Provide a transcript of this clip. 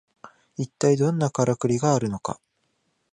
いったいどんなカラクリがあるのか